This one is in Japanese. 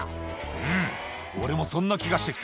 「うん俺もそんな気がして来た」